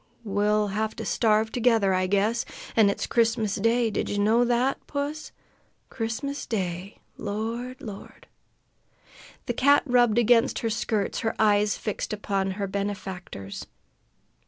We'll have to starve together, I guess. An' it's Christmas day! Did ye know that, puss? Christmas day! Lord! Lord!" The cat rubbed against her skirts, her eyes fixed upon her benefactor's.